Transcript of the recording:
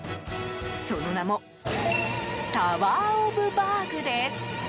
その名もタワー・オブ・バーグです。